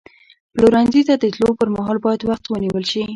پلورنځي ته د تللو پر مهال باید وخت ونیول شي.